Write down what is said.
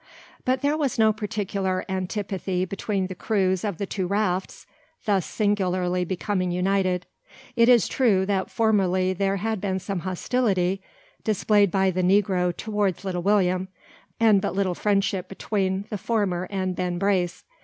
But there was no particular antipathy between the crews of the two rafts thus singularly becoming united. It is true that formerly there had been some hostility displayed by the negro towards Little William, and but little friendship between the former and Ben Brace.